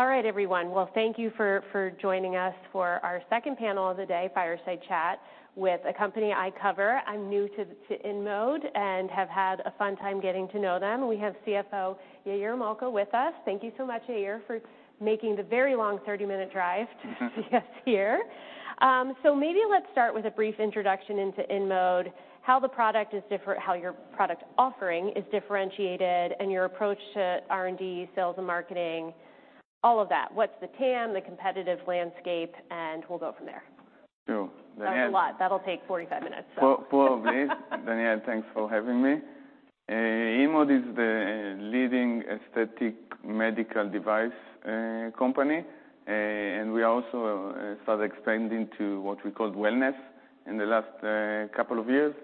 All right, everyone. Well, thank you for, for joining us for our second panel of the day, Fireside Chat, with a company I cover. I'm new to, to InMode and have had a fun time getting to know them. We have CFO, Yair Malca, with us. Thank you so much, Yair, for making the very long 30-minute drive to see us here. Maybe let's start with a brief introduction into InMode, how the product is different, how your product offering is differentiated, and your approach to R&D, sales, and marketing, all of that. What's the TAM, the competitive landscape, and we'll go from there. Sure, Danielle. That's a lot. That'll take 45 minutes, so Probably. Danielle, thanks for having me. InMode is the leading aesthetic medical device company. And we also start expanding to what we call wellness in the last couple of years.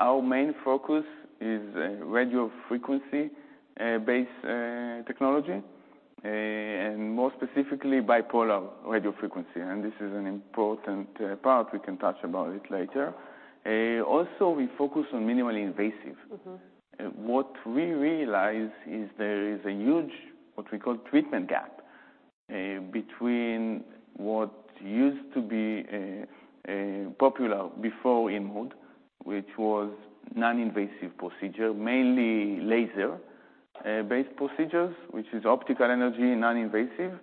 Our main focus is radiofrequency based technology, and more specifically, bipolar radiofrequency, and this is an important part. We can touch about it later. Also, we focus on minimally invasive. Mm-hmm. What we realize is there is a huge, what we call, treatment gap between what used to be popular before InMode, which was non-invasive procedure, mainly laser based procedures, which is optical energy, non-invasive.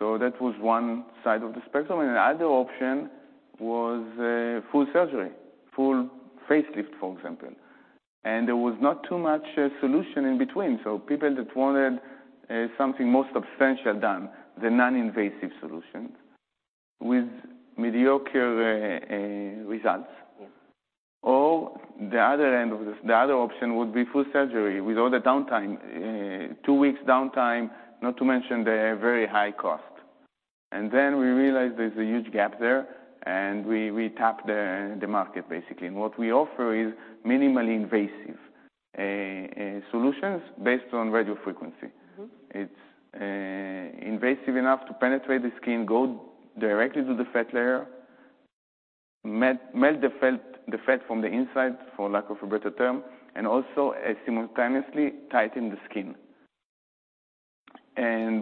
That was one side of the spectrum, and the other option was full surgery, full facelift, for example. There was not too much solution in between. People that wanted something more substantial than the non-invasive solution with mediocre results. Yeah. The other end of the- the other option would be full surgery with all the downtime, 2 weeks downtime, not to mention the very high cost. We realized there's a huge gap there, and we, we tapped the, the market, basically. What we offer is minimally invasive solutions based on radiofrequency. Mm-hmm. It's invasive enough to penetrate the skin, go directly to the fat layer, melt the fat, the fat from the inside, for lack of a better term, and also simultaneously tighten the skin.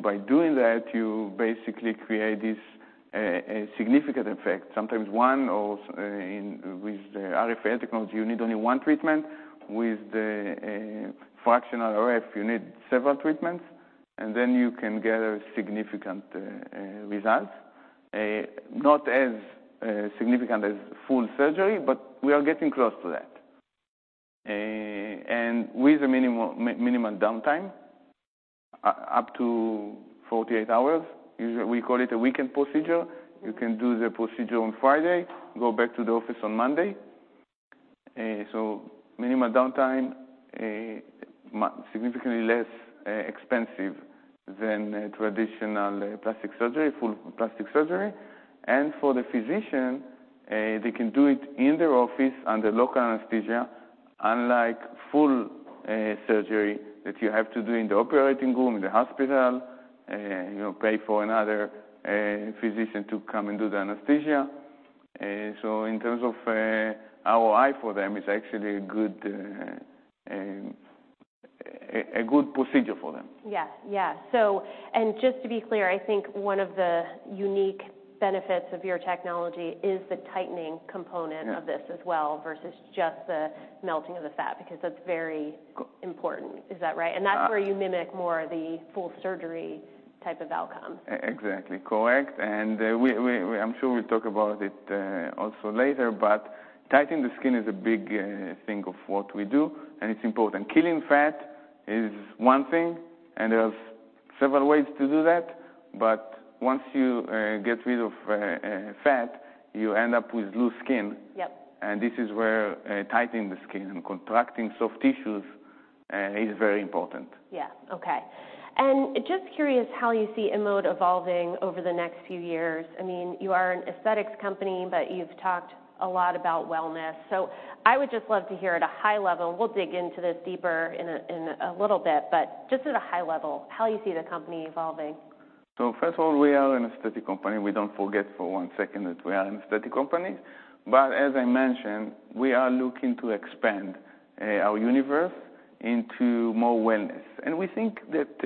By doing that, you basically create this significant effect. Sometimes one with the RFA technology, you need only one treatment. With the fractional RF, you need several treatments, and then you can get a significant results. Not as significant as full surgery, but we are getting close to that. And with a minimum downtime, up to 48 hours, usually we call it a weekend procedure. You can do the procedure on Friday, go back to the office on Monday. So minimum downtime, significantly less expensive than a traditional plastic surgery, full plastic surgery. For the physician, they can do it in their office under local anesthesia, unlike full surgery, that you have to do in the operating room, in the hospital, you know, pay for another physician to come and do the anesthesia. So in terms of ROI for them, it's actually a good, a good procedure for them. Yeah. Yeah. Just to be clear, I think one of the unique benefits of your technology is the tightening component- Yeah of this as well, versus just the melting of the fat, because that's very important. Is that right? Uh- That's where you mimic more the full surgery type of outcome. Exactly. Correct. I'm sure we'll talk about it also later, but tightening the skin is a big thing of what we do, and it's important. Killing fat is one thing, and there's several ways to do that, but once you get rid of fat, you end up with loose skin. Yep. This is where, tightening the skin and contracting soft tissues, is very important. Yeah. Okay. Just curious how you see InMode evolving over the next few years. I mean, you are an aesthetics company, but you've talked a lot about wellness. I would just love to hear at a high level, we'll dig into this deeper in a little bit, but just at a high level, how you see the company evolving. First of all, we are an aesthetic company. We don't forget for 1 second that we are an aesthetic company. As I mentioned, we are looking to expand our universe into more wellness. We think that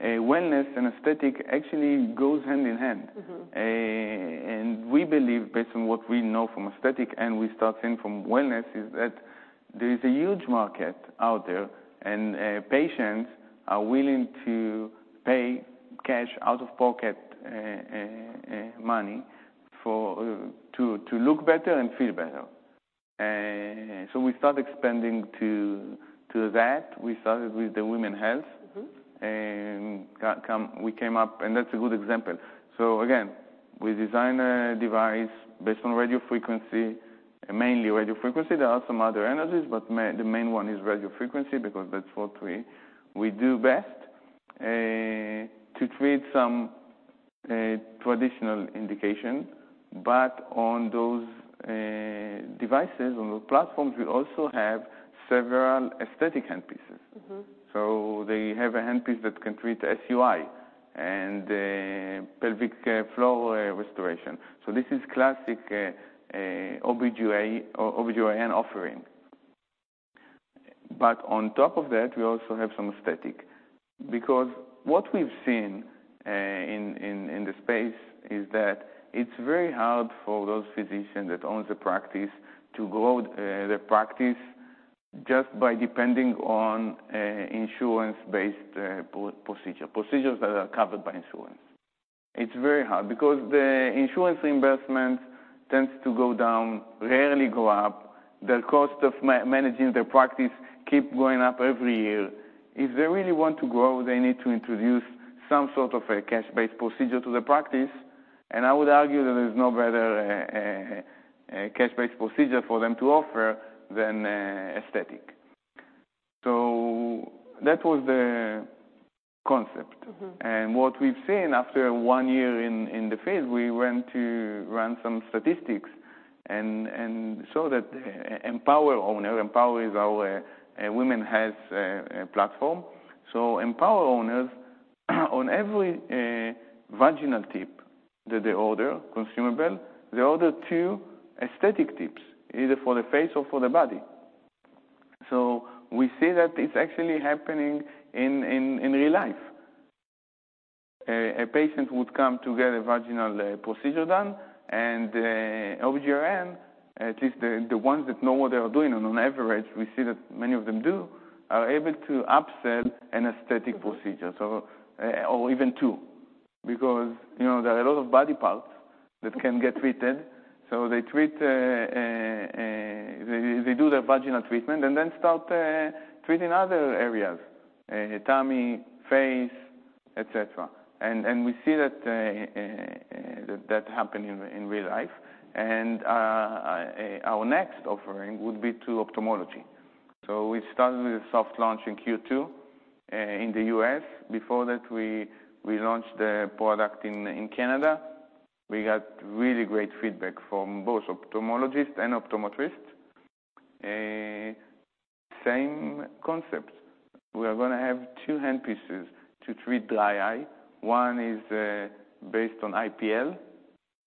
wellness and aesthetic actually goes hand in hand. Mm-hmm. We believe, based on what we know from aesthetic, and we starting from wellness, is that there is a huge market out there, and patients are willing to pay cash, out-of-pocket, money for to look better and feel better. We start expanding to that. We started with the women's health- Mm-hmm We came up, and that's a good example. Again, we design a device based on radiofrequency, mainly radiofrequency. There are some other energies, but the main one is radiofrequency, because that's what we do best, to treat some traditional indication. On those devices, on those platforms, we also have several aesthetic handpieces. Mm-hmm. They have a handpiece that can treat SUI and pelvic floor restoration. This is classic OBGYN offering. On top of that, we also have some aesthetic. What we've seen in the space is that it's very hard for those physicians that owns a practice to grow their practice just by depending on insurance-based procedure, procedures that are covered by insurance. It's very hard because the insurance reimbursement tends to go down, rarely go up. The cost of managing their practice keep going up every year. If they really want to grow, they need to introduce some sort of a cash-based procedure to the practice, and I would argue that there's no better a cash-based procedure for them to offer than aesthetic. That was the concept. Mm-hmm. What we've seen after 1 year in, in the field, we went to run some statistics and, and saw that EmpowerRF owner-- EmpowerRF is our women's health platform. EmpowerRF owners, on every vaginal tip that they order, consumable, they order 2 aesthetic tips, either for the face or for the body. We see that it's actually happening in, in, in real life. A patient would come to get a vaginal procedure done, and OBGYN, at least the, the ones that know what they are doing, and on average, we see that many of them do, are able to upsell an aesthetic procedure, so... or even 2, because, you know, there are a lot of body parts- Mm-hmm. -that can get treated, so they treat... They, they do the vaginal treatment and then start treating other areas, tummy, face, et cetera. We see that that happen in, in real life. Our next offering would be to ophthalmology. We started with a soft launch in Q2 in the US. Before that, we, we launched the product in, in Canada. We got really great feedback from both ophthalmologists and optometrists. Same concept. We are gonna have two handpieces to treat dry eye. One is based on IPL,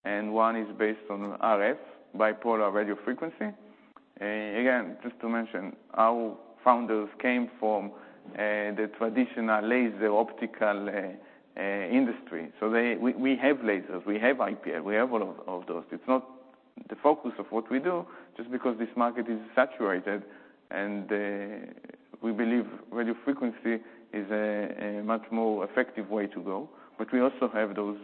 and one is based on RF, bipolar radiofrequency. Again, just to mention, our founders came from the traditional laser optical industry. They... We, we have lasers, we have IPL, we have all of, all those. It's not the focus of what we do, just because this market is saturated, and we believe radiofrequency is a much more effective way to go. We also have those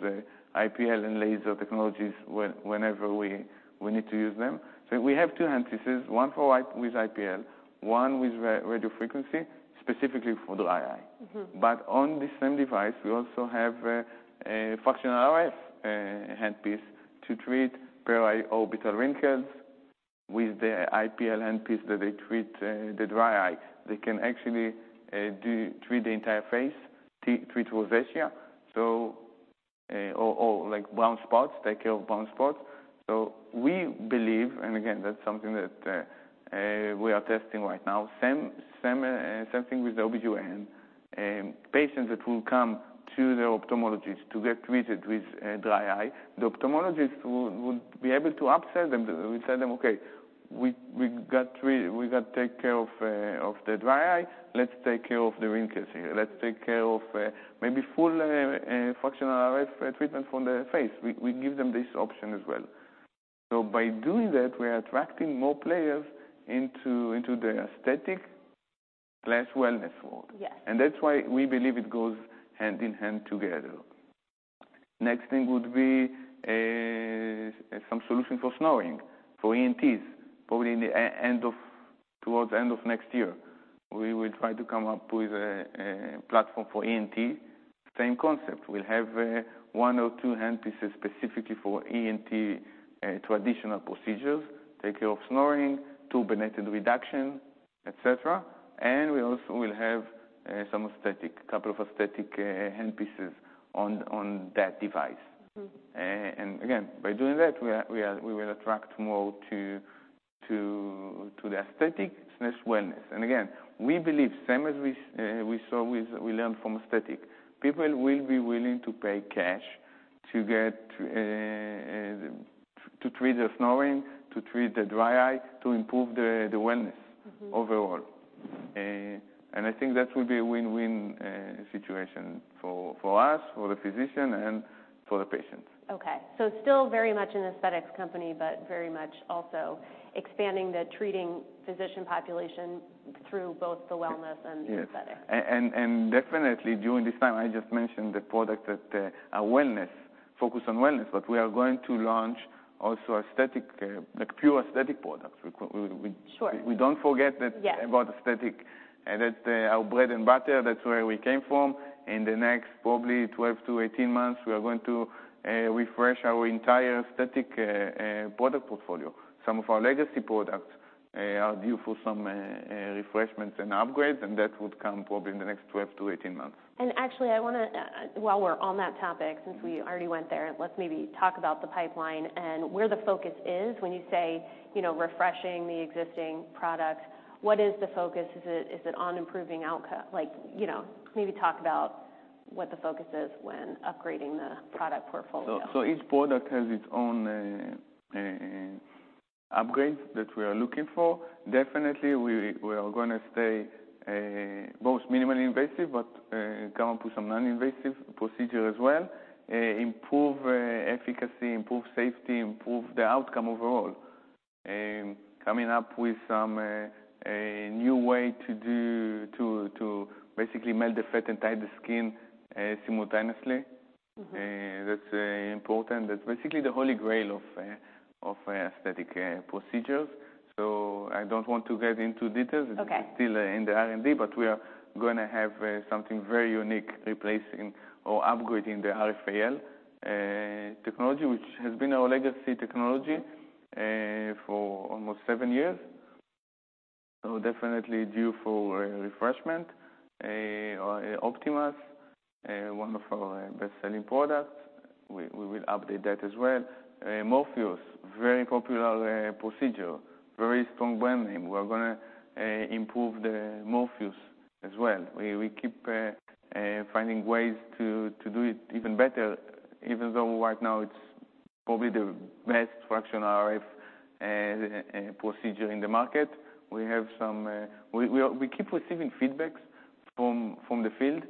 IPL and laser technologies whenever we need to use them. We have two handpieces, one with IPL, one with radiofrequency, specifically for dry eye. Mm-hmm. On the same device, we also have a fractional RF handpiece to treat periorbital wrinkles. With the IPL handpiece that they treat the dry eye. They can actually treat the entire face, treat rosacea. Or, or, like, brown spots, take care of brown spots. We believe, and again, that's something that we are testing right now, same, same thing with the OBGYN. Patients that will come to the ophthalmologist to get treated with dry eye, the ophthalmologist would be able to upsell them. We tell them, "Okay, we got take care of the dry eye. Let's take care of the wrinkles here. Let's take care of maybe full fractional RF treatment from the face." We give them this option as well. By doing that, we are attracting more players into, into the aesthetic plus wellness world. Yes. That's why we believe it goes hand in hand together. Next thing would be some solution for snoring, for ENT, probably in the end of, towards the end of next year. We will try to come up with a platform for ENT. Same concept, we'll have one or two handpieces specifically for ENT, traditional procedures, take care of snoring, turbinate reduction, et cetera. We also will have some aesthetic, couple of aesthetic handpieces on that device. Mm-hmm. By doing that, we will attract more to, to, to the aesthetic plus wellness. We believe, same as we saw with, we learned from aesthetic, people will be willing to pay cash to get to treat the snoring, to treat the dry eye, to improve the, the wellness. Mm-hmm. overall. I think that would be a win-win situation for, for us, for the physician and for the patient. Okay. Still very much an aesthetics company, but very much also expanding the treating physician population through both the wellness and the aesthetics. Yes. Definitely during this time, I just mentioned the product that, a wellness, focused on wellness, but we are going to launch also aesthetic, like pure aesthetic products. Sure. We don't forget that. Yes... about aesthetic. That's our bread and butter. That's where we came from. In the next probably 12 to 18 months, we are going to refresh our entire aesthetic product portfolio. Some of our legacy products are due for some refreshments and upgrades, and that would come probably in the next 12 to 18 months. Actually, I wanna While we're on that topic, since we already went there, let's maybe talk about the pipeline and where the focus is. When you say, you know, refreshing the existing products, what is the focus? Is it, is it on improving outcome? Like, you know, maybe talk about what the focus is when upgrading the product portfolio. So each product has its own upgrades that we are looking for. Definitely, we are going to stay both minimally invasive, but come up with some non-invasive procedure as well. Improve efficacy, improve safety, improve the outcome overall. Coming up with some a new way to basically melt the fat and tighten the skin simultaneously. Mm-hmm. That's important. That's basically the holy grail of aesthetic procedures. I don't want to get into details- Okay. It's still in the R&D. We are going to have something very unique, replacing or upgrading the RFAL technology, which has been our legacy technology for almost 7 years. Definitely due for a refreshment. Optimas, one of our best-selling products. We, we will update that as well. Morpheus, very popular procedure, very strong brand name. We're gonna improve the Morpheus as well. We, we keep finding ways to do it even better, even though right now it's probably the best fractional RF procedure in the market. We have some. We, we, we keep receiving feedback from the field,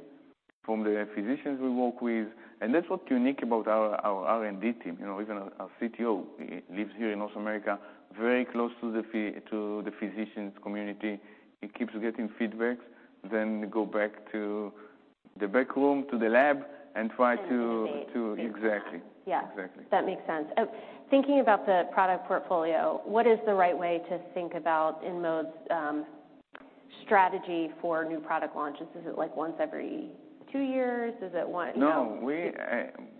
from the physicians we work with, and that's what's unique about our R&D team. You know, even our CTO lives here in North America, very close to the physicians community. He keeps getting feedbacks, then go back to the back room, to the lab, and try. Innovate. To... Exactly. Yeah. Exactly. That makes sense. Thinking about the product portfolio, what is the right way to think about InMode's strategy for new product launches? Is it, like, once every two years? Is it once- No, we,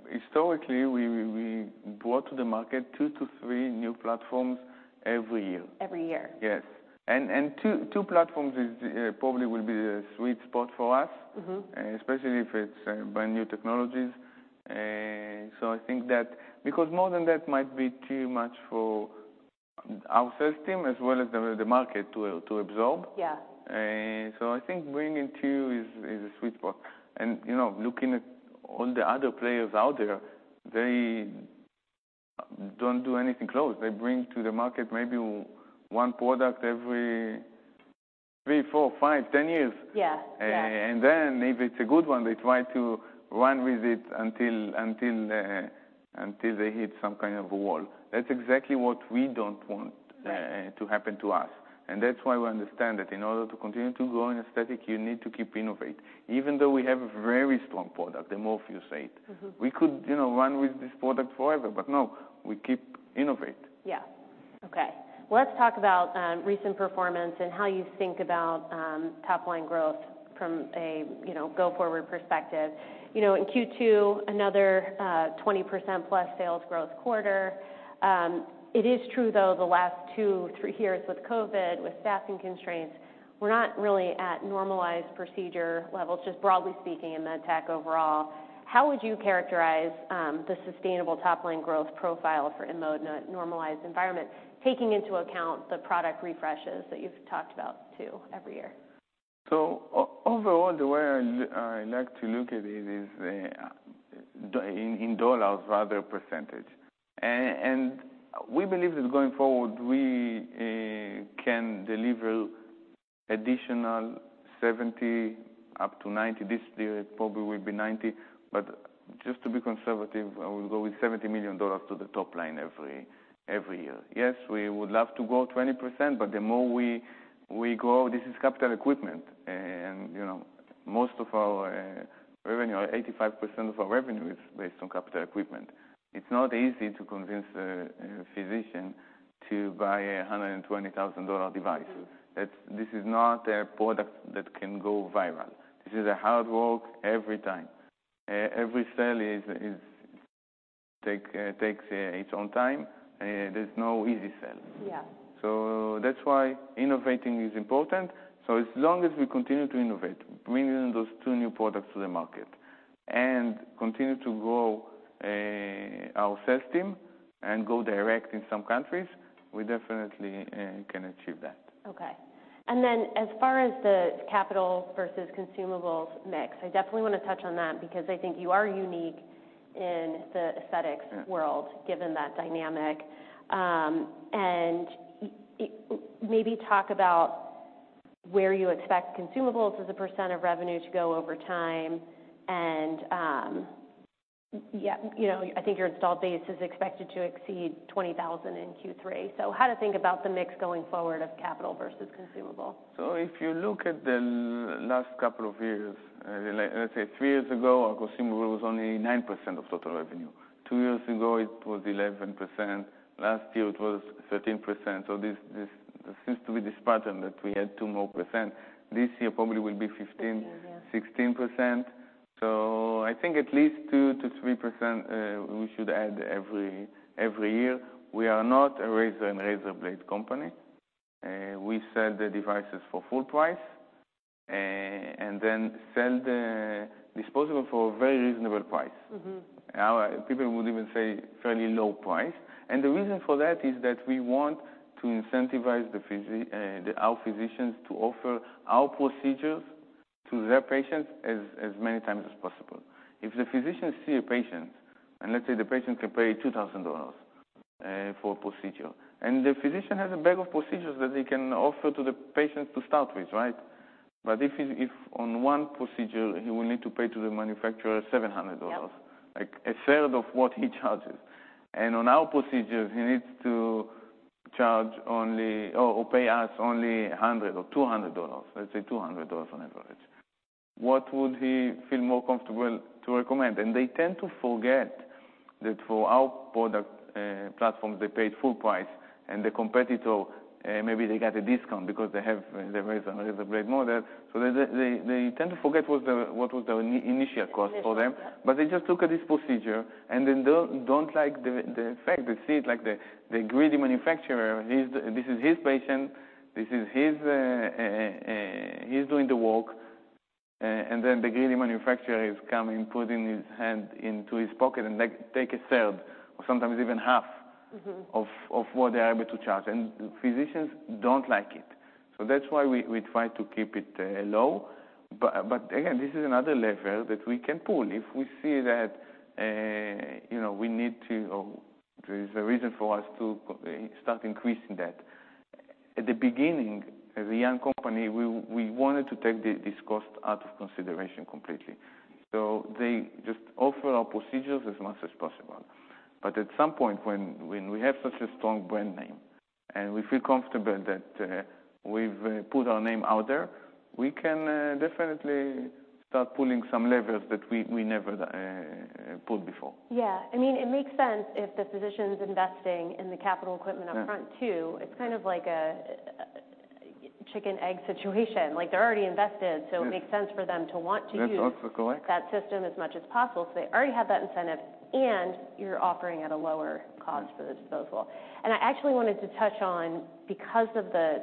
historically, we, we brought to the market 2 to 3 new platforms every year. Every year? Yes. And two, two platforms is probably will be the sweet spot for us. Mm-hmm. Especially if it's, brand-new technologies. So I think because more than that might be too much for our sales team as well as the, the market to, to absorb. Yeah. I think bringing two is, is a sweet spot. Looking at all the other players out there, they don't do anything close. They bring to the market maybe one product every three, four, five, 10 years. Yeah. Yeah. Then if it's a good one, they try to run with it until, until, until they hit some kind of a wall. That's exactly what we don't want. Right... to happen to us. That's why we understand that in order to continue to grow in aesthetic, you need to keep innovate. Even though we have a very strong product, the Morpheus8. Mm-hmm. We could, you know, run with this product forever, but no, we keep innovate. Yeah. Okay. Let's talk about recent performance and how you think about top-line growth from a, you know, go-forward perspective. You know, in Q2, another 20%+ sales growth quarter. It is true, though, the last two, three years with COVID, with staffing constraints, we're not really at normalized procedure levels, just broadly speaking, in med tech overall. How would you characterize the sustainable top-line growth profile for InMode in a normalized environment, taking into account the product refreshes that you've talked about, too, every year? Overall, the way I like to look at it is in dollars rather than percentage. We believe that going forward, we can deliver additional 70, up to 90. This year, it probably will be 90, but just to be conservative, I will go with $70 million to the top line every, every year. We would love to grow 20%, but the more we grow, this is capital equipment, and, you know, most of our revenue, 85% of our revenue is based on capital equipment. It's not easy to convince a physician to buy a $120,000 device. Mm. This is not a product that can go viral. This is a hard work every time. Every sale takes its own time, there's no easy sale. Yeah. That's why innovating is important. As long as we continue to innovate, bringing those two new products to the market and continue to grow our sales team and go direct in some countries, we definitely can achieve that. Okay. Then, as far as the capital versus consumables mix, I definitely want to touch on that because I think you are unique in the aesthetics world... Yeah - given that dynamic. maybe talk about where you expect consumables as a % of revenue to go over time. you know, I think your installed base is expected to exceed 20,000 in Q3. how to think about the mix going forward of capital versus consumable? If you look at the last couple of years, let's say 3 years ago, our consumable was only 9% of total revenue. 2 years ago, it was 11%. Last year, it was 13%. So this, this, there seems to be this pattern that we add 2 more %. This year probably will be fifteen- 15, yeah.... 16%. I think at least 2%-3%, we should add every, every year. We are not a razor and razor blade company. We sell the devices for full price, and then sell the disposable for a very reasonable price. Mm-hmm. Our People would even say fairly low price. The reason for that is that we want to incentivize our physicians to offer our procedures to their patients as, as many times as possible. If the physician see a patient, and let's say the patient can pay $2,000 for a procedure, and the physician has a bag of procedures that he can offer to the patient to start with, right? If he, if on one procedure, he will need to pay to the manufacturer $700. Yep. like, a third of what he charges, and on our procedures, he needs to charge only or, or pay us only $100 or $200, let's say $200 on average, what would he feel more comfortable to recommend? They tend to forget that for our product, platforms, they paid full price, and the competitor, maybe they got a discount because they have, they have a, a razor blade model. They, they, they tend to forget what was the initial cost for them. Initial, yeah. They just look at this procedure and then don't, don't like the, the fact. They see it like the, the greedy manufacturer. He's. This is his patient, this is his, he's doing the work, and then the greedy manufacturer is coming, putting his hand into his pocket and take, take 1/3 or sometimes even 1/2. Mm-hmm... of, of what they are able to charge, and physicians don't like it. That's why we, we try to keep it low. But again, this is another level that we can pull if we see that, you know, we need to or there is a reason for us to start increasing that. At the beginning, as a young company, we, we wanted to take this, this cost out of consideration completely, so they just offer our procedures as much as possible. At some point, when, when we have such a strong brand name and we feel comfortable that, we've put our name out there, we can definitely start pulling some levers that we, we never pulled before. Yeah. I mean, it makes sense if the physician's investing in the capital equipment- Yeah... upfront, too. It's kind of like a, a chicken-egg situation. Like, they're already invested- Yeah it makes sense for them to want to use- That's also correct. that system as much as possible, so they already have that incentive, and you're offering at a lower cost- Yeah... for the disposable. I actually wanted to touch on, because of the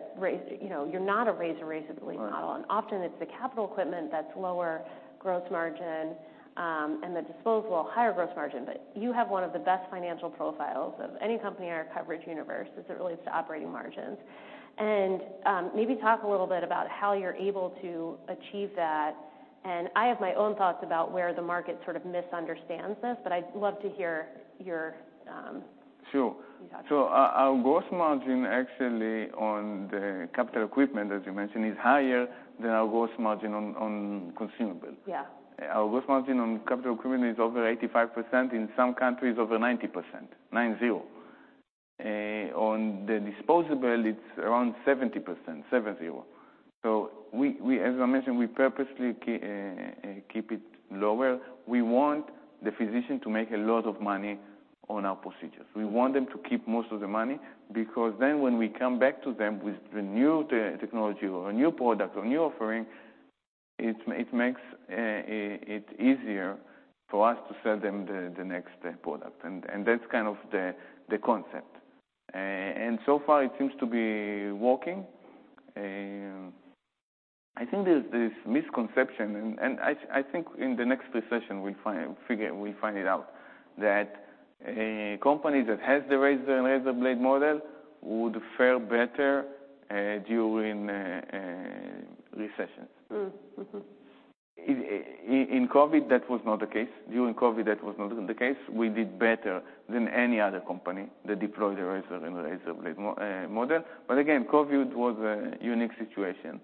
you know, you're not a razor-razor blade model. Right. Often it's the capital equipment that's lower growth margin, and the disposable, higher growth margin. You have one of the best financial profiles of any company in our coverage universe as it relates to operating margins. Maybe talk a little bit about how you're able to achieve that. I have my own thoughts about where the market sort of misunderstands this, but I'd love to hear your. Sure. Thoughts. Our, our gross margin actually on the capital equipment, as you mentioned, is higher than our gross margin on, on consumable. Yeah. Our gross margin on capital equipment is over 85%. In some countries, over 90%, 90. On the disposable, it's around 70%, 70. We, as I mentioned, we purposely keep it lower. We want the physician to make a lot of money on our procedures. Mm-hmm. We want them to keep most of the money because then when we come back to them with the new technology or a new product or new offering, it makes it easier for us to sell them the next product. That's kind of the concept. So far, it seems to be working. I think there's this misconception, and I think in the next recession, we find it out, that a company that has the razor and razor blade model would fare better during recessions. Mm, mm-hmm. In COVID, that was not the case. During COVID, that was not the case. We did better than any other company that deployed the razor and the razor blade model. Again, COVID was a unique situation.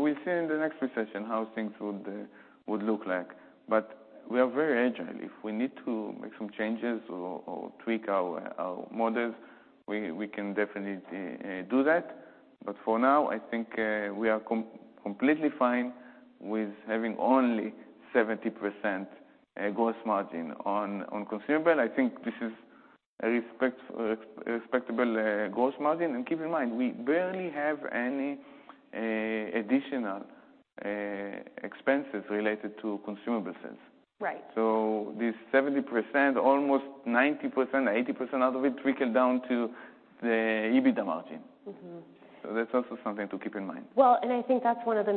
We'll see in the next recession how things would look like, but we are very agile. If we need to make some changes or tweak our models, we can definitely do that. For now, I think, we are completely fine with having only 70% gross margin on consumable. I think this is a respectable gross margin. Keep in mind, we barely have any additional expenses related to consumable sales. Right. This 70%, almost 90%, 80% of it trickle down to the EBITDA margin. Mm-hmm. That's also something to keep in mind. I think that's one of the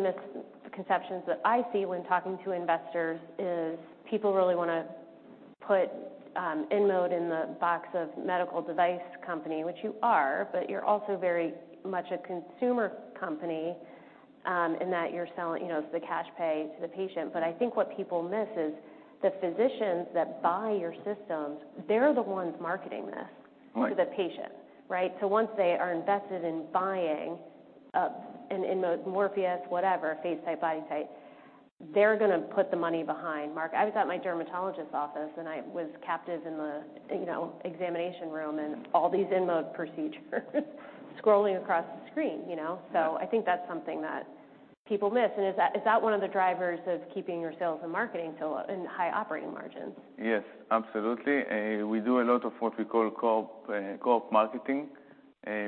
misconceptions that I see when talking to investors, is people really wanna put InMode in the box of medical device company, which you are, but you're also very much a consumer company, in that you're selling, you know, the cash pay to the patient. I think what people miss is the physicians that buy your systems, they're the ones marketing this- Right To the patient, right? Once they are invested in buying an InMode Morpheus, whatever, face type, body type, they're gonna put the money behind. Mark, I was at my dermatologist's office, and I was captive in the, you know, examination room and all these InMode procedures scrolling across the screen, you know? Yeah. I think that's something that people miss. Is that one of the drivers of keeping your sales and marketing so lo- and high operating margins? Yes, absolutely. We do a lot of what we call co-op, co-op marketing,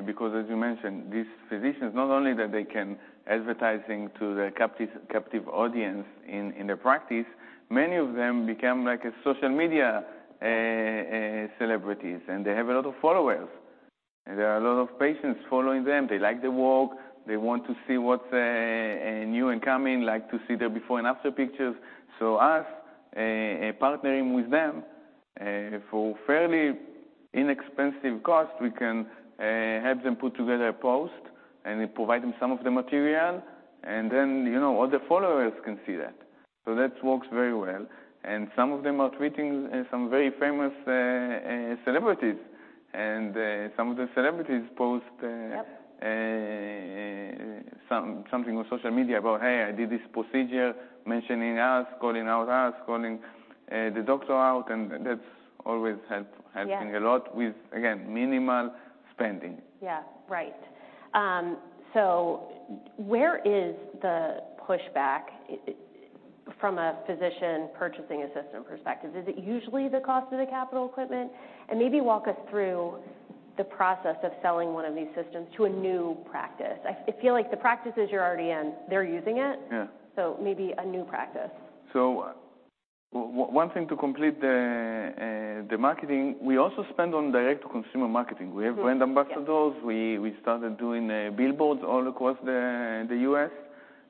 because as you mentioned, these physicians, not only that they can advertising to the captive, captive audience in, in their practice, many of them become like a social media, celebrities, and they have a lot of followers. There are a lot of patients following them. They like the work. They want to see what's new and coming, like to see their before and after pictures. Us, partnering with them for fairly inexpensive cost, we can have them put together a post, and we provide them some of the material, and then, you know, all the followers can see that. That works very well, and some of them are tweeting, some very famous, celebrities. Some of the celebrities post. Yep. Something on social media about, "Hey, I did this procedure," mentioning us, calling out us, calling the doctor out, and that's always helping. Yeah. A lot with, again, minimal spending. Yeah. Right. Where is the pushback from a physician purchasing a system perspective? Is it usually the cost of the capital equipment? Maybe walk us through the process of selling one of these systems to a new practice. I, I feel like the practices you're already in, they're using it. Yeah. Maybe a new practice. One thing to complete the, the marketing, we also spend on direct-to-consumer marketing. Mm. We have brand ambassadors. Yeah. We, we started doing billboards all across the US.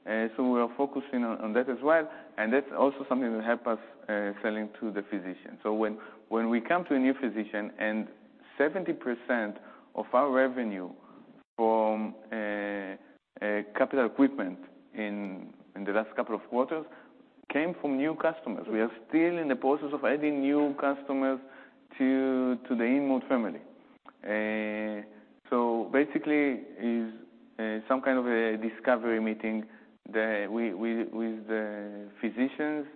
We are focusing on that as well. That's also something that help us selling to the physician. When, when we come to a new physician, 70% of our revenue from capital equipment in the last couple of quarters came from new customers. Yeah. We are still in the process of adding new customers to the InMode family. Basically, is some kind of a discovery meeting that we, with the physicians,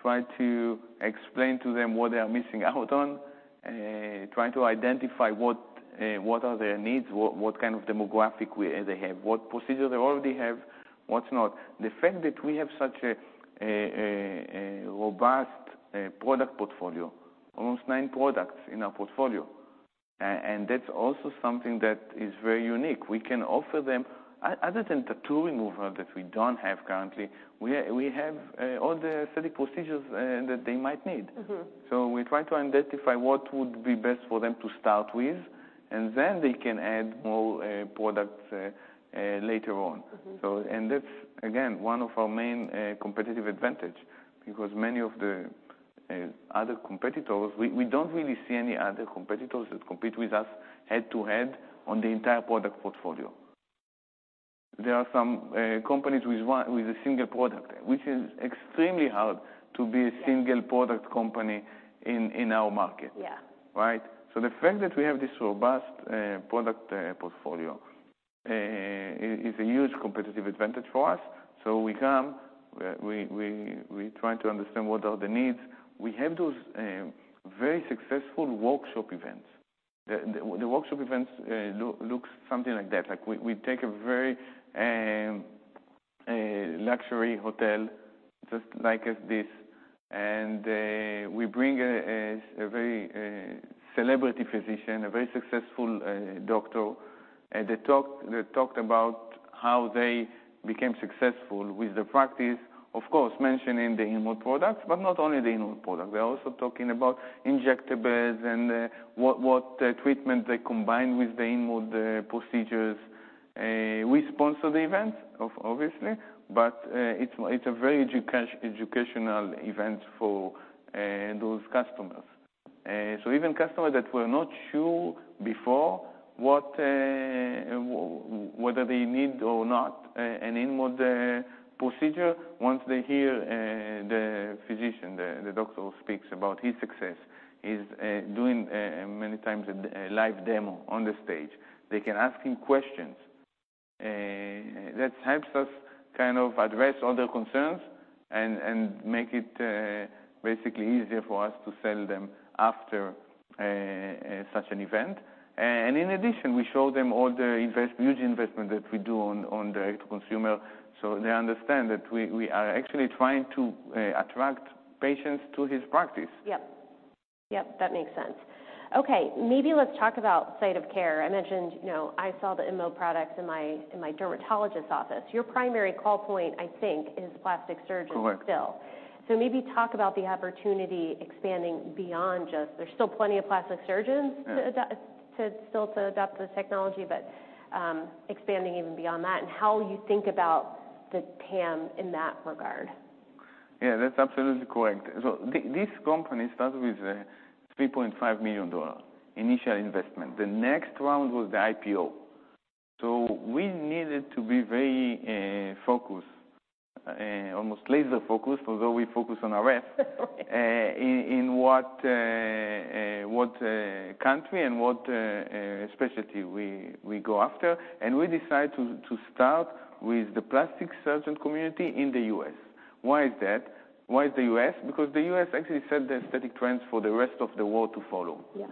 try to explain to them what they are missing out on, try to identify what are their needs, what kind of demographic they have, what procedure they already have, what's not. The fact that we have such a robust product portfolio, almost nine products in our portfolio, that's also something that is very unique. We can offer them, other than tattoo removal that we don't have currently, we have all the aesthetic procedures that they might need. Mm-hmm. We try to identify what would be best for them to start with, and then they can add more products later on. Mm-hmm. That's, again, one of our main competitive advantage, because many of the other competitors, we, we don't really see any other competitors that compete with us head-to-head on the entire product portfolio. There are some companies with a single product, which is extremely hard to. Yeah A single product company in, in our market. Yeah. Right? The fact that we have this robust product portfolio is a huge competitive advantage for us. We come, we try to understand what are the needs. We have those very successful workshop events. The workshop events looks something like that. We take a very luxury hotel, just like as this, and we bring a very celebrity physician, a very successful doctor, and they talked about how they became successful with the practice, of course, mentioning the InMode products, but not only the InMode product. They're also talking about injectables and what treatment they combine with the InMode procedures. We sponsor the event, obviously, but it's a very educational event for those customers. Even customers that were not sure before what, whether they need or not, an InMode procedure, once they hear the physician, the doctor speaks about his success, he's doing many times a live demo on the stage. They can ask him questions. That helps us kind of address all their concerns and make it basically easier for us to sell them after such an event. In addition, we show them all the huge investment that we do on direct-to-consumer, so they understand that we are actually trying to attract patients to his practice. Yep. Yep, that makes sense. Okay, maybe let's talk about site of care. I mentioned, you know, I saw the InMode products in my, in my dermatologist's office. Your primary call point, I think, is plastic surgeons. Correct still. maybe talk about the opportunity expanding beyond just there's still plenty of plastic surgeons- Yeah To adopt, to still, to adopt the technology, but, expanding even beyond that and how you think about the TAM in that regard. Yeah, that's absolutely correct. This company started with a $3.5 million initial investment. The next round was the IPO. We needed to be very focused, almost laser focused, although we focus on RF in what country and what specialty we go after, and we decided to start with the plastic surgeon community in the US. Why is that? Why the US? Because the US actually set the aesthetic trends for the rest of the world to follow. Yeah.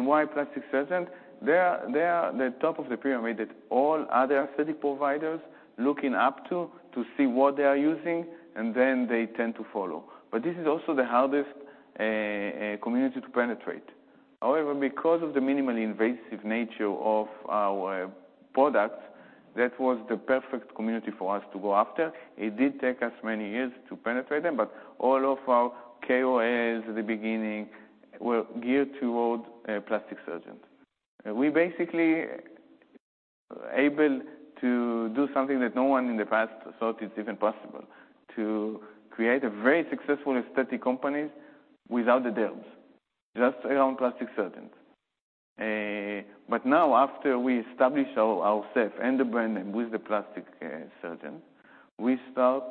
Why plastic surgeons? They are, they are the top of the pyramid that all other aesthetic providers looking up to, to see what they are using, and then they tend to follow. This is also the hardest community to penetrate. However, because of the minimally invasive nature of our products, that was the perfect community for us to go after. It did take us many years to penetrate them. All of our KOLs at the beginning were geared toward plastic surgeons. We basically able to do something that no one in the past thought it's even possible, to create a very successful aesthetic company without the derms, just around plastic surgeons. But now, after we establish ourself and the brand name with the plastic surgeon, we start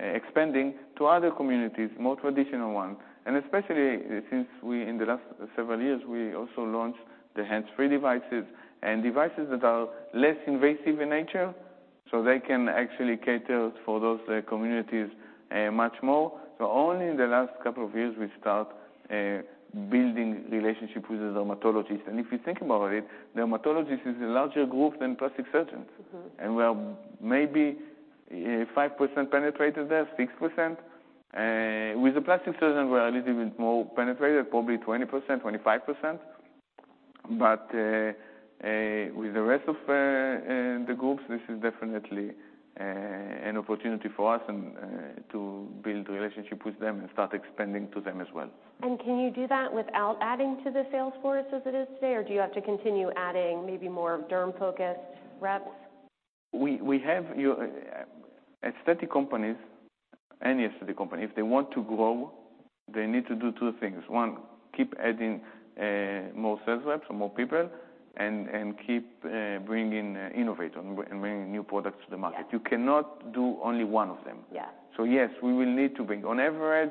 expanding to other communities, more traditional one, and especially since in the last several years, we also launched the hands-free devices and devices that are less invasive in nature, so they can actually cater for those communities much more. Only in the last couple of years, we start building relationship with the dermatologists. If you think about it, dermatologists is a larger group than plastic surgeons. Mm-hmm. We're maybe 5% penetrated there, 6%. With the plastic surgeon, we are a little bit more penetrated, probably 20%-25%. With the rest of the groups, this is definitely an opportunity for us and to build relationship with them and start expanding to them as well. Can you do that without adding to the sales force as it is today, or do you have to continue adding maybe more derm-focused reps? Aesthetic companies, any aesthetic company, if they want to grow, they need to do two things: one, keep adding more sales reps or more people, and keep bringing innovation and bringing new products to the market. Yeah. You cannot do only one of them. Yeah. Yes, we will need to bring... On average,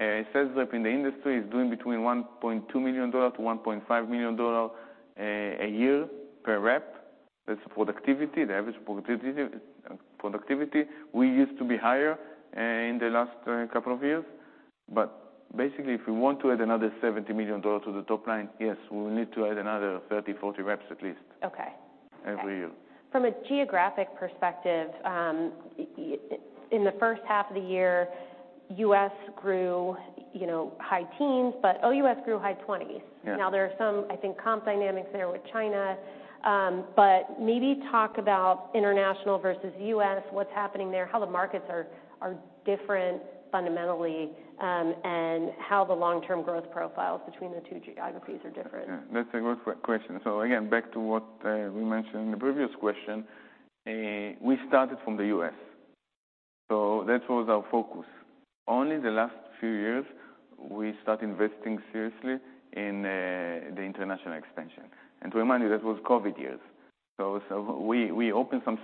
a sales rep in the industry is doing between $1.2 million to $1.5 million a year per rep. That's the productivity, the average productivity. We used to be higher in the last couple of years, basically, if we want to add another $70 million to the top line, yes, we will need to add another 30-40 reps at least- Okay. Every year. From a geographic perspective, in the first half of the year, US grew, you know, high teens, OUS grew high twenties. Yeah. There are some, I think, comp dynamics there with China, but maybe talk about international versus US, what's happening there, how the markets are, are different fundamentally, and how the long-term growth profiles between the two geographies are different? Yeah, that's a good question. Again, back to what we mentioned in the previous question, we started from the US, so that was our focus. Only the last few years, we start investing seriously in the international expansion, and to remind you, that was COVID years. We opened some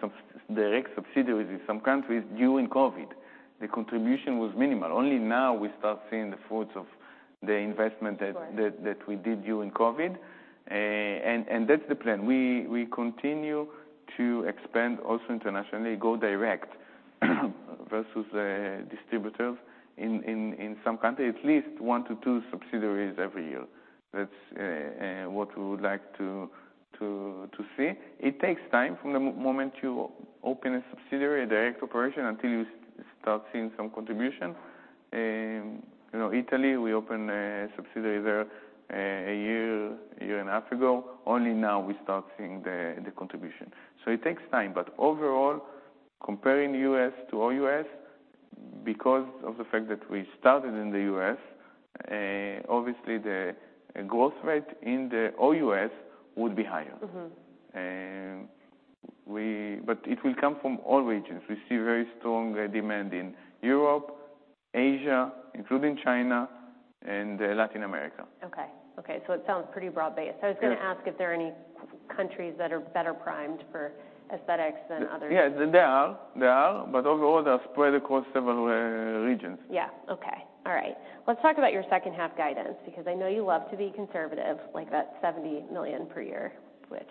direct subsidiaries in some countries during COVID. The contribution was minimal. Only now we start seeing the fruits of the investment that. Right. That we did during COVID. That's the plan. We, we continue to expand also internationally, go direct, versus, distributors in, in, in some countries, at least 1 to 2 subsidiaries every year. That's, what we would like to, to, to see. It takes time from the moment you open a subsidiary, a direct operation, until you start seeing some contribution. You know, Italy, we opened a subsidiary there, 1 year, 1 and a half years ago. Only now we start seeing the, the contribution, so it takes time. Overall, comparing US to OUS, because of the fact that we started in the US, obviously the growth rate in the OUS would be higher. Mm-hmm. It will come from all regions. We see very strong demand in Europe, Asia, including China and Latin America. Okay. Okay, it sounds pretty broad-based. Yeah. I was gonna ask if there are any countries that are better primed for aesthetics than others? Yeah, there are. There are, but overall, they're spread across several regions. Yeah. Okay. All right. Let's talk about your second-half guidance, because I know you love to be conservative, like that $70 million per year, which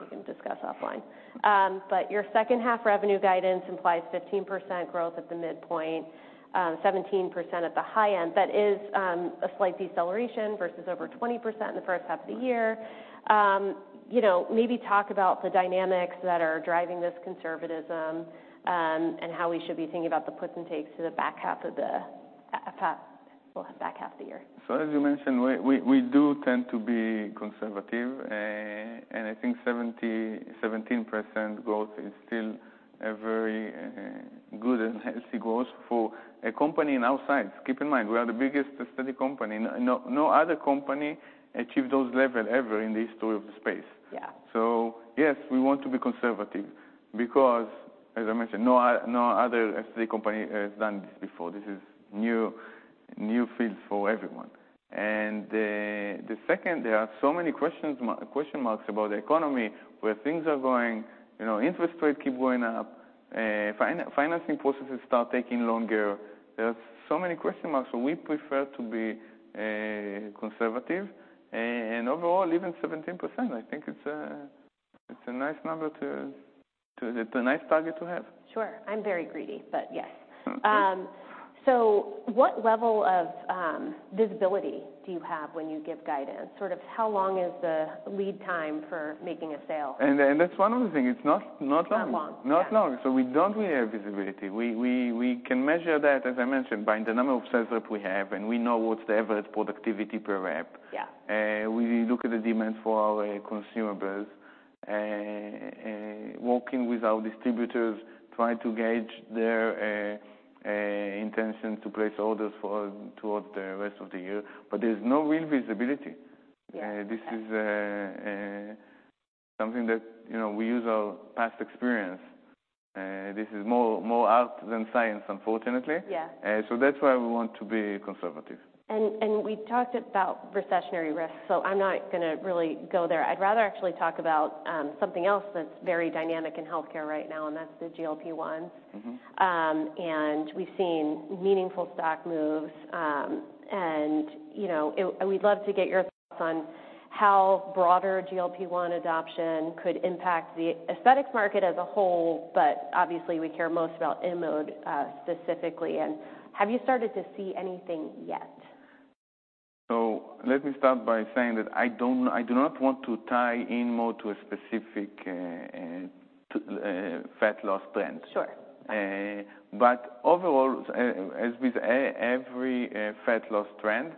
we can discuss offline. Your second-half revenue guidance implies 15% growth at the midpoint, 17% at the high end. That is a slight deceleration versus over 20% in the first half of the year. You know, maybe talk about the dynamics that are driving this conservatism, and how we should be thinking about the puts and takes to the back half of the year. As you mentioned, we, we, we do tend to be conservative, and I think 17% growth is still a very good and healthy growth for a company in our size. Keep in mind, we are the biggest aesthetic company. No, no other company achieved those level ever in the history of the space. Yeah. Yes, we want to be conservative because, as I mentioned, no other aesthetic company has done this before. This is new, new field for everyone. The second, there are so many question marks about the economy, where things are going, you know, interest rates keep going up, financing processes start taking longer. There are so many question marks, so we prefer to be conservative. Overall, even 17%, I think it's a nice number. It's a nice target to have. Sure. I'm very greedy, but yes. What level of visibility do you have when you give guidance? Sort of how long is the lead time for making a sale? That's one other thing: It's not, not long. Not long. Not long. Yeah. We don't really have visibility. We, we, we can measure that, as I mentioned, by the number of sales rep we have, and we know what's the average productivity per rep. Yeah. We look at the demand for our consumables, working with our distributors, try to gauge their intention to place orders towards the rest of the year, but there's no real visibility. Yeah. This is something that, you know, we use our past experience. This is more, more art than science, unfortunately. Yeah. That's why we want to be conservative. And we talked about recessionary risks, so I'm not gonna really go there. I'd rather actually talk about, something else that's very dynamic in healthcare right now, and that's the GLP-1. Mm-hmm. We've seen meaningful stock moves, and, you know, we'd love to get your thoughts on how broader GLP-1 adoption could impact the aesthetics market as a whole, but obviously, we care most about InMode, specifically. Have you started to see anything yet? Let me start by saying that I do not want to tie InMode to a specific fat loss trend. Sure. Overall, as with every fat loss trend,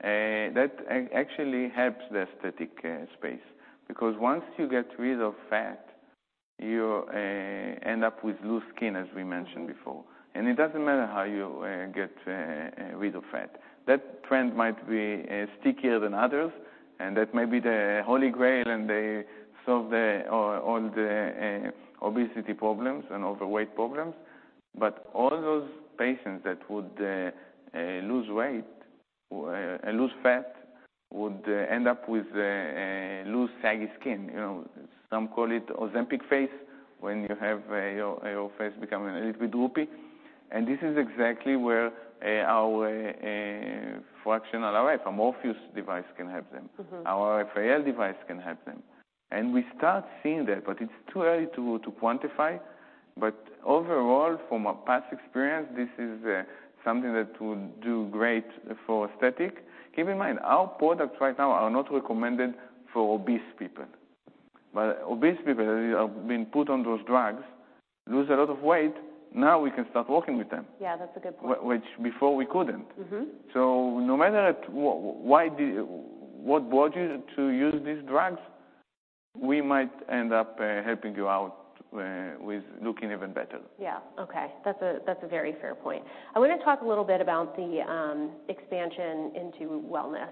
that actually helps the aesthetic care space. Because once you get rid of fat, you end up with loose skin, as we mentioned before, and it doesn't matter how you get rid of fat. That trend might be stickier than others, and that may be the Holy Grail, and they solve all the obesity problems and overweight problems. All those patients that would lose weight or lose fat would end up with loose, saggy skin. You know, some call it Ozempic face, when you have your, your face becoming a little bit droopy. This is exactly where our fractional RF, Morpheus device, can help them. Mm-hmm. Our RFAL device can help them. We start seeing that, but it's too early to quantify. Overall, from our past experience, this is something that will do great for aesthetic. Keep in mind, our products right now are not recommended for obese people. Obese people have been put on those drugs, lose a lot of weight, now we can start working with them. Yeah, that's a good point. Which before we couldn't. Mm-hmm. No matter at what brought you to use these drugs, we might end up, helping you out, with looking even better. Yeah. Okay, that's a, that's a very fair point. I want to talk a little bit about the expansion into wellness.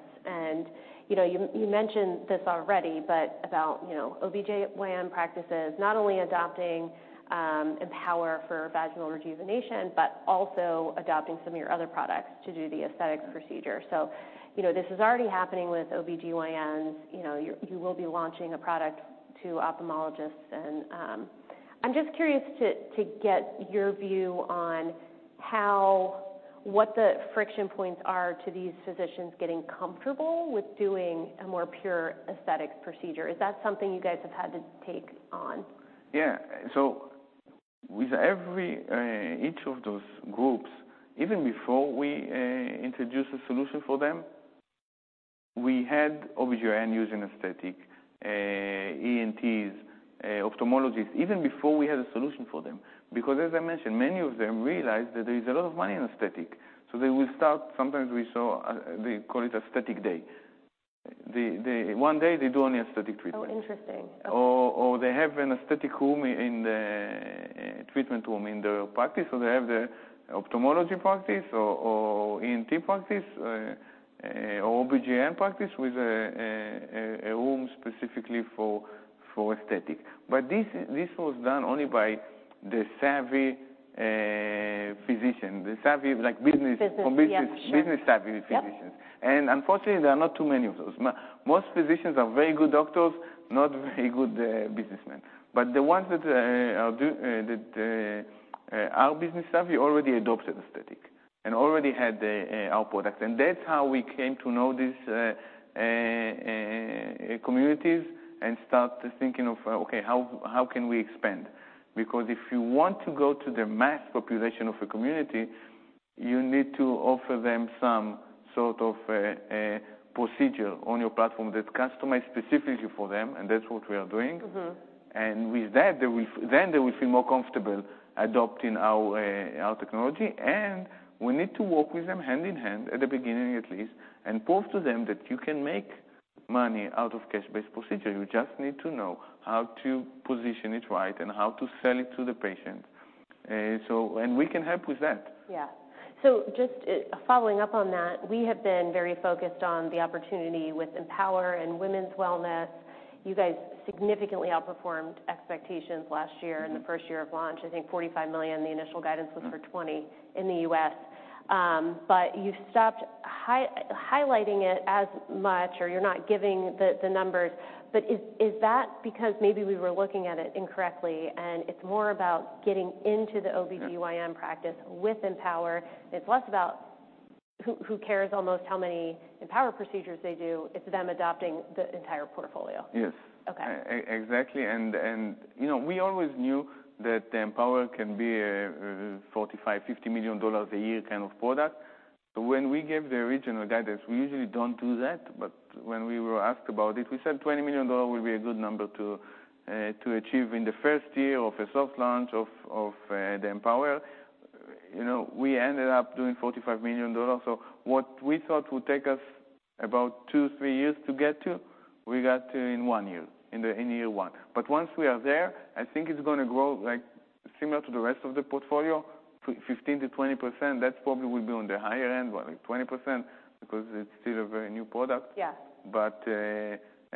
You know, you, you mentioned this already, but about, you know, OBGYN practices not only adopting EmpowerRF for vaginal rejuvenation, but also adopting some of your other products to do the aesthetic procedure. You know, this is already happening with OBGYNs. You know, you're- you will be launching a product to ophthalmologists, I'm just curious to, to get your view on how- what the friction points are to these physicians getting comfortable with doing a more pure aesthetics procedure. Is that something you guys have had to take on? Yeah. With every, each of those groups, even before we, introduced a solution for them, we had OBGYN using aesthetic, ENTs, ophthalmologists, even before we had a solution for them, because as I mentioned, many of them realized that there is a lot of money in aesthetic. They will start... Sometimes we saw, they call it aesthetic day. One day they do only aesthetic treatment. Oh, interesting. or they have an aesthetic room in the treatment room in the practice, or they have the ophthalmology practice or, or ENT practice, OBGYN practice with a, a, a, room specifically for, for aesthetic. This, this was done only by the savvy physician, the savvy, like, business- Business, yeah. business-savvy physicians. Yep. Unfortunately, there are not too many of those. Most physicians are very good doctors, not very good businessmen. The ones that, that are business savvy already adopted aesthetic and already had our products. That's how we came to know these, communities, and start thinking of: Okay, how, how can we expand? Because if you want to go to the mass population of a community, you need to offer them some sort of a, a procedure on your platform that's customized specifically for them, and that's what we are doing. Mm-hmm. With that, they will then they will feel more comfortable adopting our technology, and we need to work with them hand in hand, at the beginning at least, and prove to them that you can make money out of cash-based procedure. You just need to know how to position it right and how to sell it to the patient. We can help with that. Yeah. Just, following up on that, we have been very focused on the opportunity with EmpowerRF and women's wellness. You guys significantly outperformed expectations last year- Mm-hmm in the first year of launch, I think $45 million, the initial guidance was for $20 million in the U.S. You've stopped highlighting it as much, or you're not giving the, the numbers. Is, is that because maybe we were looking at it incorrectly, and it's more about getting into the OBGYN- Yeah. -practice with EmpowerRF? It's less about who, who cares almost how many EmpowerRF procedures they do, it's them adopting the entire portfolio. Yes. Okay. Exactly. You know, we always knew that the EmpowerRF can be a $45 million-$50 million a year kind of product. When we gave the original guidance, we usually don't do that, but when we were asked about it, we said $20 million would be a good number to achieve in the first year of a soft launch of the EmpowerRF. You know, we ended up doing $45 million. What we thought would take us about two to three years to get to, we got to in 1 year, in year 1. Once we are there, I think it's gonna grow like similar to the rest of the portfolio, 15%-20%, that probably will be on the higher end, but like 20%, because it's still a very new product. Yeah.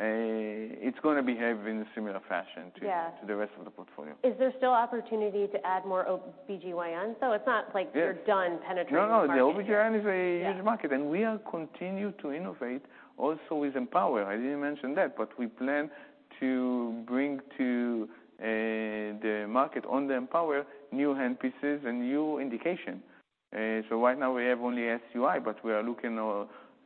it's gonna behave in a similar fashion to- Yeah. to the rest of the portfolio. Is there still opportunity to add more OBGYN? It's not like- Yeah. You're done penetrating the market? No, no, the OBGYN is a- Yeah. Huge market, and we are continue to innovate also with EmpowerRF. I didn't mention that. We plan to bring to the market on the EmpowerRF, new handpieces and new indication. Right now we have only SUI, but we are looking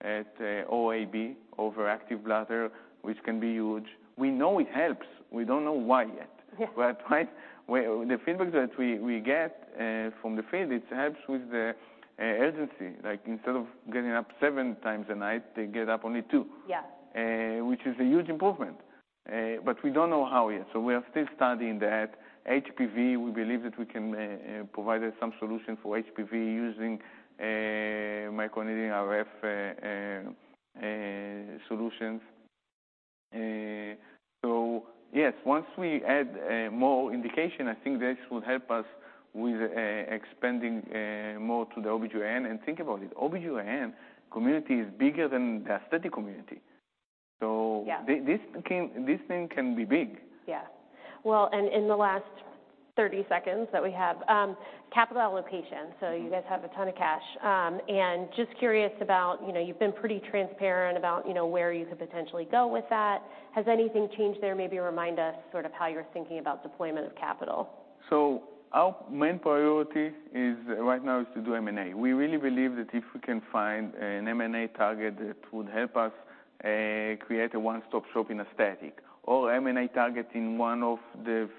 at OAB, overactive bladder, which can be huge. We know it helps. We don't know why yet. Yeah. Right, where- the feedback that we, we get, from the field, it helps with the urgency. Like, instead of getting up 7 times a night, they get up only 2. Yeah. Which is a huge improvement. We don't know how yet, so we are still studying that. HPV, we believe that we can provide some solution for HPV using microneedling RF solutions. Yes, once we add more indication, I think this will help us with expanding more to the OBGYN. Think about it, OBGYN community is bigger than the aesthetic community. Yeah. This can, this thing can be big. Yeah. Well, in the last 30 seconds that we have, capital allocation, so you guys have a ton of cash. Just curious about, you know, you've been pretty transparent about, you know, where you could potentially go with that. Has anything changed there? Maybe remind us sort of how you're thinking about deployment of capital. Our main priority is, right now, is to do M&A. We really believe that if we can find an M&A target that would help us, create a one-stop shop in aesthetic, or M&A target in one of the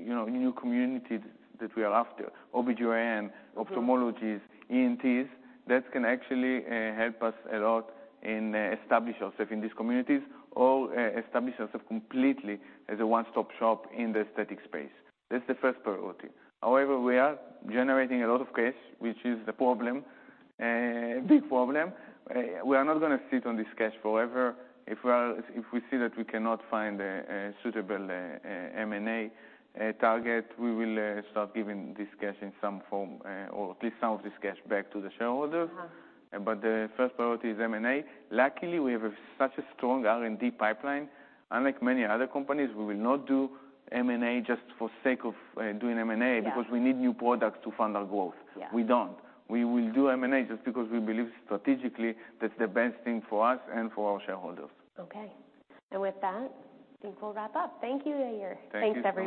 you know, new communities that we are after, OBGYN. Yeah. Ophthalmologists, ENTs, that can actually, help us a lot in, establish ourself in these communities or, establish ourself completely as a one-stop shop in the aesthetic space. That's the first priority. However, we are generating a lot of cash, which is the problem, big problem. We are not gonna sit on this cash forever. If we see that we cannot find a, a suitable, M&A, target, we will, start giving this cash in some form, or at least some of this cash back to the shareholders. Uh-huh. The first priority is M&A. Luckily, we have such a strong R&D pipeline. Unlike many other companies, we will not do M&A just for sake of doing M&A. Yeah. because we need new products to fund our growth. Yeah. We don't. We will do M&A just because we believe strategically that's the best thing for us and for our shareholders. Okay. With that, I think we'll wrap up. Thank you, Yair. Thank you so much. Thanks, everyone.